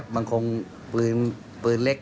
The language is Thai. มันคงปืนเล็ก